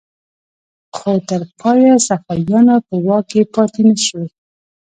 خو تر پایه صفویانو په واک کې پاتې نشوې.